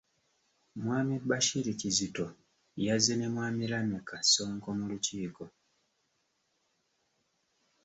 Mwami Bashir Kizito yazze ne mwami Lameck Ssonko mu lukiiko.